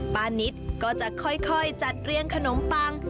นิดก็จะค่อยจัดเรียงขนมปัง